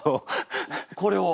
これを。